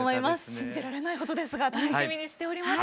信じられないほどですが楽しみにしております。